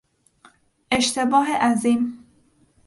اشتباه عظیم